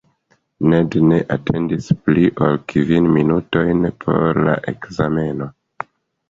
Ned ne atendis pli ol kvin minutojn por la ekzameno.